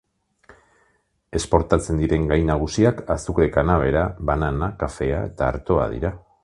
Esportatzen diren gai nagusiak azukre-kanabera, banana, kafea eta artoa dira.